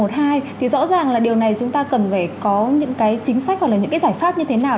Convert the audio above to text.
thì rõ ràng là điều này chúng ta cần phải có những cái chính sách hoặc là những cái giải pháp như thế nào